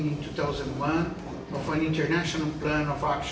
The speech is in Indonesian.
dengan plan internasional aksi